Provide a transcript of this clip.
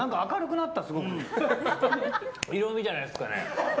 色味じゃないですかね？